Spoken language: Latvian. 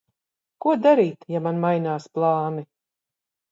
Ko darīt, ja man mainās plāni?